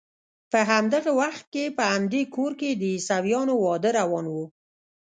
په همدغه وخت کې په همدې کور کې د عیسویانو واده روان و.